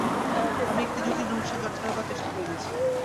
আমি একটা জটিল রহস্যের জট ছাড়াবার চেষ্টা করছি।